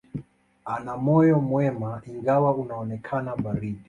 Ana moyo mwema, ingawa unaonekana baridi.